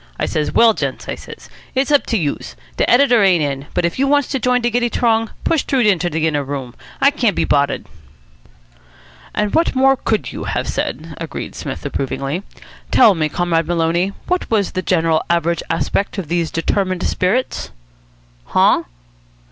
I says, 'Well, gents,' I says, 'it's up to youse. De editor ain't in, but if youse wants to join de giddy t'rong, push t'roo inter de inner room. I can't be boddered.'" "And what more could you have said?" agreed Psmith approvingly. "Tell me, Comrade Maloney, what was the general average aspect of these determined spirits?" "Huh?"